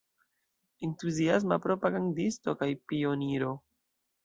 Entuziasma propagandisto kaj pioniro.